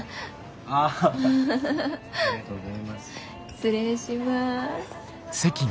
失礼します。